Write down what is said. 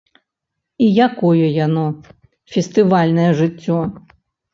І якое яно, фестывальнае жыццё?